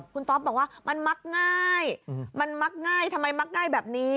คุณต๊อปบอกว่ามันมักง่ายทำไมมักง่ายแบบนี้